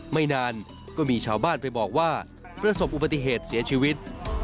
ไม่นานก็มีชาวบ้านไปบอกว่าประสบอุบัติเหตุเสียชีวิต